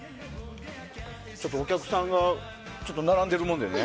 お客さんが並んでいるものでね。